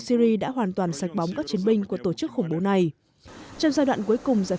syri đã hoàn toàn sạch bóng các chiến binh của tổ chức khủng bố này trong giai đoạn cuối cùng giải